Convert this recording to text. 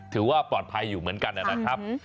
ถือว่าปลอดภัยอยู่เหมือนกันนะครับ